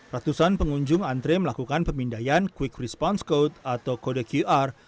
ratusan pengunjung antre melakukan pemindaian quick response code atau kode qr